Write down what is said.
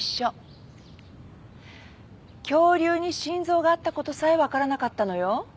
恐竜に心臓があったことさえ分からなかったのよ。